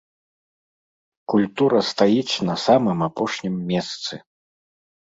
Культура стаіць на самым апошнім месцы!